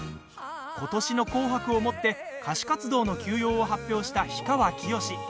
今年の「紅白」をもって歌手活動の休養を発表した氷川きよし。